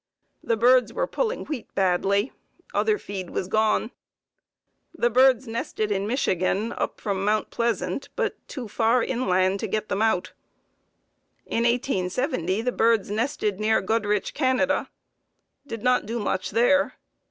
The birds were pulling wheat badly; other feed was gone. The birds nested in Michigan, up from Mt. Pleasant, but too far inland to get them out. In 1870 the birds nested near Goderich, Can. Did not do much there.